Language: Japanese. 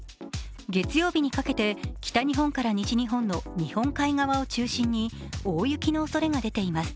月曜日にかけて、北日本から西日本の日本海側を中心に大雪のおそれが出ています。